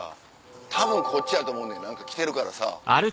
たぶんこっちやと思うねん何か来てるからさ。